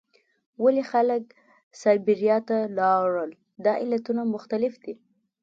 ولې خلک سابیریا ته لاړل؟ دا علتونه مختلف دي.